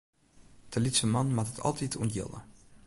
De lytse man moat it altyd ûntjilde.